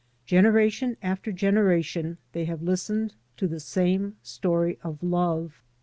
Generation after generation they have listened to the same story of love.